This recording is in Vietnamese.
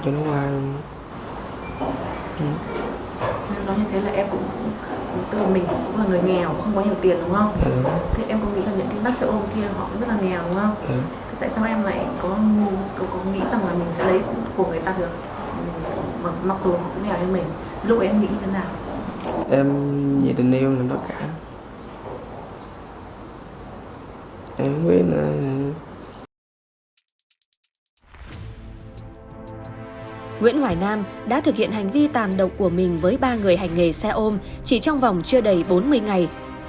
nguyễn hoài nam đã thực hiện hành vi tàn độc của mình với ba người hành nghề xe ôm chỉ trong vòng chưa đầy bốn mươi ngày